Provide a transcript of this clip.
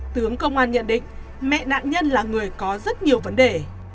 tướng công an nhận định mẹ nạn nhân là người có rất nhiều vấn đề